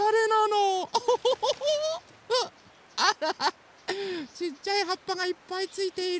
あらちっちゃいはっぱがいっぱいついている。